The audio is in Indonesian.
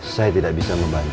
saya tidak bisa membantu